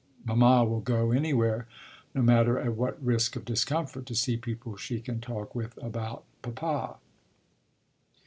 Mamma will go anywhere, no matter at what risk of discomfort, to see people she can talk with about papa."